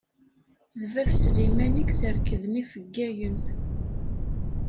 D bab Sliman i yesserkden ifeggagen.